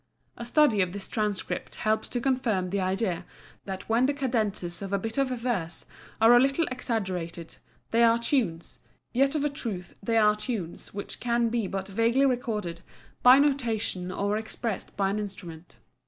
A study of this transcript helps to confirm the idea that when the cadences of a bit of verse are a little exaggerated, they are tunes, yet of a truth they are tunes which can be but vaguely recorded by notation or expressed by an instrument.